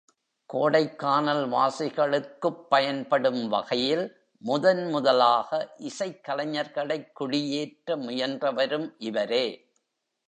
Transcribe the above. கோடைக்கானல் வாசிகளுக்குப் பயன்படும் வகையில் முதன் முதலாக இசைக் கலைஞர்களைக் குடியேற்ற முயன்றவரும் இவரே.